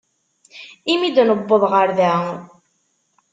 Imi d-newweḍ ɣer da.